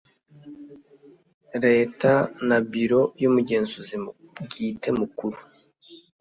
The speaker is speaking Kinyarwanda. Leta na Biro y Umugenzuzi Bwite Mukuru